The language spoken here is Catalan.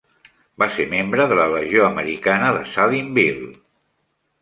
Va ser membre de la Legió Americana de Salineville.